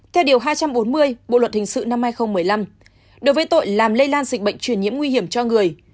theo điều hai trăm bốn mươi bộ luật hình sự năm hai nghìn một mươi năm đối với tội làm lây lan dịch bệnh truyền nhiễm nguy hiểm cho người